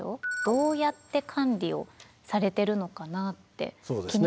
どうやって管理をされてるのかなって気になりました。